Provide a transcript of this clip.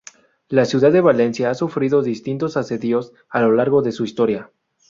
La ciudad de Valencia ha sufrido distintos asedios a lo largo de su historia.